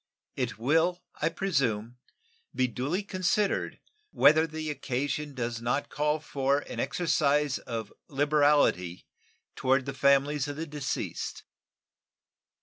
It will, I presume, be duly considered whether the occasion does not call for an exercise of liberality toward the families of the deceased.